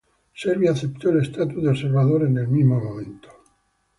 Serbia aceptó el estatus de observador en el mismo momento.